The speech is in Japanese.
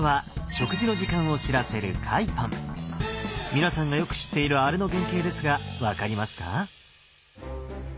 皆さんがよく知っているあれの原型ですが分かりますか？